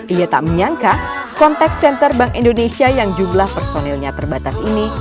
ia tak menyangka kontak senter bank indonesia yang jumlah personilnya terbatas ini